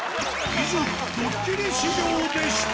以上、ドッキリ修行でした。